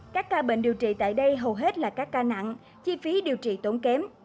các ca bệnh điều trị tại đây hầu hết là các ca nặng chi phí điều trị tốn kém